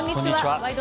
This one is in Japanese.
「ワイド！